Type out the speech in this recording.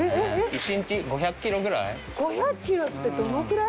１日５００ｋｇくらい。